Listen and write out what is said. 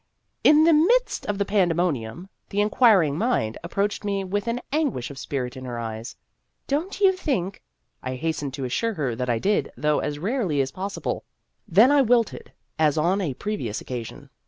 In the midst of the pandemonium, the Inquiring Mind approached me with an guish of spirit in her eyes. " Don't you think I hastened to assure her that I did, though as rarely as possible. Then I wilted, as on a previous occasion.